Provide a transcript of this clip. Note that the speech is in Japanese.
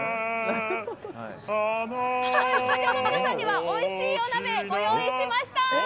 皆さんにはおいしいお鍋ご用意しました！